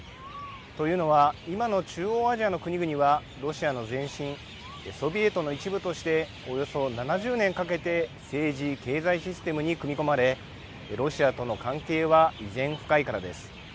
というのは今の中央アジアの国々はロシアの前身ソビエトの一部としておよそ７０年かけて政治・経済システムに組み込まれロシアとの関係は依然深いからです。